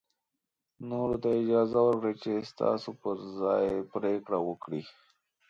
نورو ته اجازه ورکړئ چې ستاسو پر ځای پرېکړه وکړي.